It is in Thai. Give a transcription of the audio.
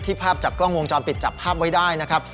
ภาพจากกล้องวงจรปิดจับภาพไว้ได้นะครับ